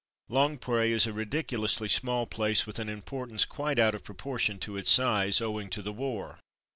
Longpre is a ridiculously small place with an importance quite out of proportion to its size, owing to the war.